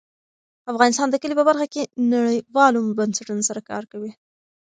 افغانستان د کلي په برخه کې نړیوالو بنسټونو سره کار کوي.